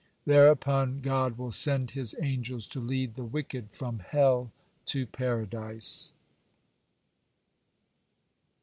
Thereupon God will send his angels to lead the wicked from hell to Paradise.